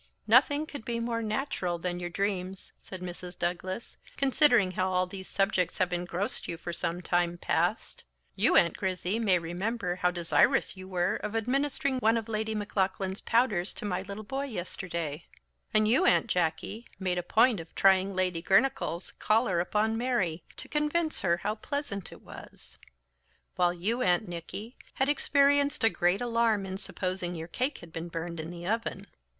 "Nothing could be more natural than you dreams," said Mrs. Douglas, "considering how all these subjects have engrossed you for some time past. You, Aunt Grizzy, may remember how desirous you were of administering one of Lady Maclaughlan's powders to my little boy yesterday; and you, Aunt Jacky, made a point of trying Lady Girnachgowl's collar upon Mary, to convince her how pleasant it was; while you, Aunt Nicky, had experienced a great alarm in supposing your cake had been burned in the oven.